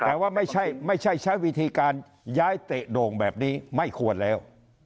แต่ว่าไม่ใช่ใช้วิธีการย้ายเตะโด่งแบบนี้ไม่ควรแล้ว